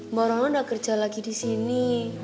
mbak rono gak kerja lagi disini